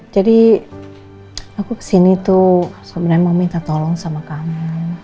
jadi aku kesini tuh sebenarnya mau minta tolong sama kamu